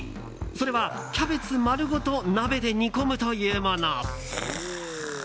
それはキャベツ丸ごと鍋で煮込むというもの。